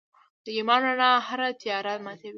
د ایمان رڼا هره تیاره ماتي.